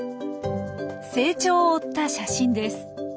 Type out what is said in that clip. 成長を追った写真です。